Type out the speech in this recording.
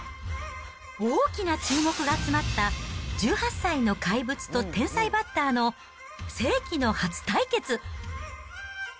大きな注目が集まった１８歳の怪物と天才バッターの世紀の初対決。